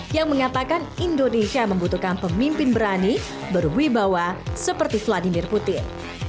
yang mengatakan indonesia membutuhkan pemimpin berani berwibawa seperti vladimir putin